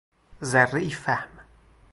ذرهای فهم